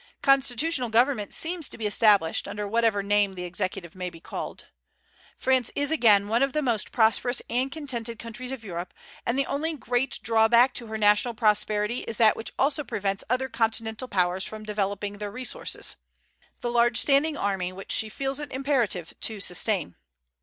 Constitutional government seems to be established, under whatever name the executive may be called. France is again one of the most prosperous and contented countries of Europe; and the only great drawback to her national prosperity is that which also prevents other Continental powers from developing their resources, the large standing army which she feels it imperative to sustain.